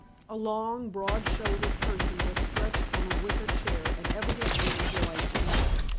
A long, broad shouldered person was stretched on a wicker chair, and evidently enjoying a nap.